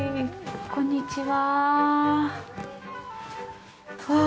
こんにちは。